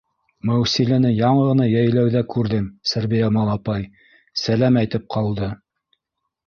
— Мәүсиләне яңы ғына йәйләүҙә күрҙем, Сәрбиямал апай, сәләм әйтеп ҡалды